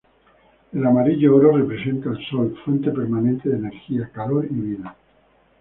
El amarillo-oro representa el sol, fuente permanente de energía, calor y vida.